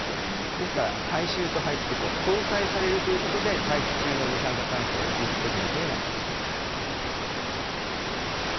ですから回収と排出で相殺されるということで、大気中の二酸化炭素は実質的に増えないとしています。